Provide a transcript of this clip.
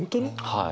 はい。